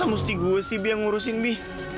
masa mesti gue si bi yang ngurusin bi